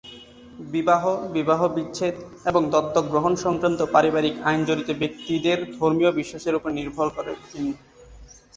বিবাহ, বিবাহবিচ্ছেদ এবং দত্তক গ্রহণ সংক্রান্ত পারিবারিক আইন জড়িত ব্যক্তিদের ধর্মীয় বিশ্বাসের উপর নির্ভর করে ভিন্ন।